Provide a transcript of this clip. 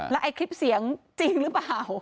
ไอ้คลิปเสียงจริงหรือเปล่า